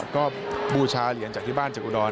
ก็บูชาเหรียญจากที่บ้านจากอุดร